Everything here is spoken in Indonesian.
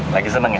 lagi seneng ya